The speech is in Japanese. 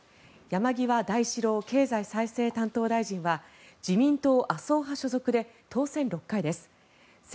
山際大志郎経済再生担当大臣は自民党麻生派所属で当選６回です。